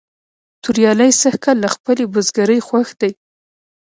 توریالی سږ کال له خپلې بزگرۍ خوښ دی.